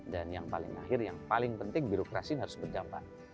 dan yang paling akhir yang paling penting birokrasi ini harus berdampak